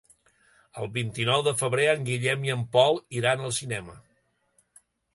El vint-i-nou de febrer en Guillem i en Pol iran al cinema.